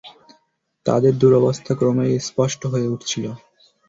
তাদের দুরবস্থা ক্রমেই স্পষ্ট হয়ে উঠছিল।